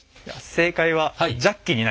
正解はジャッキになります。